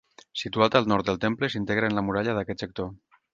Situat al nord del temple, s'integra en la muralla d'aquest sector.